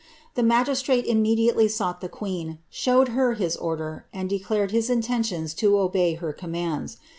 The magistrate immediately sought the queen, showed her his order, and declared his intentions to obey her commands.